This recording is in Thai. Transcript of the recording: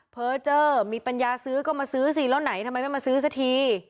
เจอมีปัญญาซื้อก็มาซื้อสิแล้วไหนทำไมไม่มาซื้อสักที